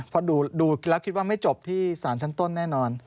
เพราะดูแล้วคิดว่าไม่จบที่สารชั้นต้นแน่นอน